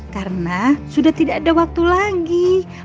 karena sudah tidak ada waktu lagi